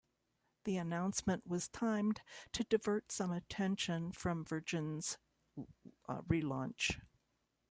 The announcement was timed to divert some attention from Virgin's relaunch.